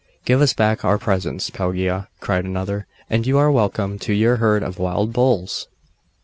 'Give us back our presents, Pelagia,' cried another, 'and you are welcome to your herd of wild bulls!